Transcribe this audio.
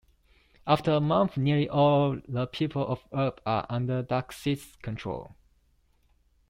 After a month, nearly all the people of Earth are under Darkseid's control.